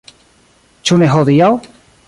Ĉu ne hodiaŭ?